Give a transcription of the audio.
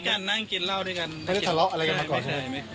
ไม่เคยสีกันนั่งกินเล่าด้วยกัน